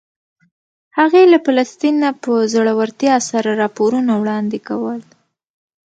هغې له فلسطین نه په زړورتیا سره راپورونه وړاندې کول.